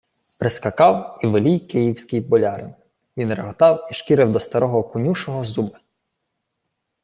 Прискакав і велій київський болярин. Він реготав і шкірив до старого конюшого зуби.